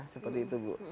seperti itu bu